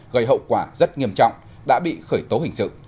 gây hậu quả rất nghiêm trọng đã bị khởi tố hình sự